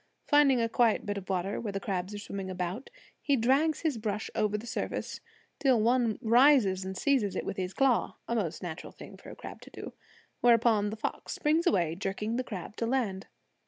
Finding a quiet bit of water where the crabs are swimming about, he trails his brush over the surface till one rises and seizes it with his claw (a most natural thing for a crab to do), whereupon the fox springs away, jerking the crab to land.